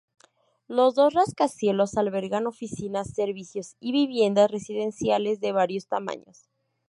Los dos rascacielos albergan oficinas, servicios y viviendas residenciales de varios tamaños.